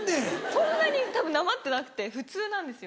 そんなにたぶんなまってなくて普通なんですよ。